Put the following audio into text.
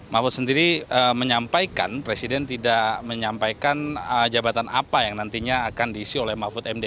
mahfud sendiri menyampaikan presiden tidak menyampaikan jabatan apa yang nantinya akan diisi oleh mahfud md